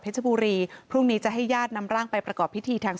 ชบุรีพรุ่งนี้จะให้ญาตินำร่างไปประกอบพิธีทาง